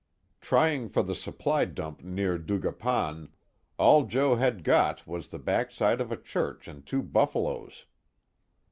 Trying for the supply dump near Dagupan, all Joe had got was the backside of a church and two buffalos.